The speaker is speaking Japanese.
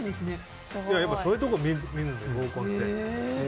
そういうところ見るのよ合コンって。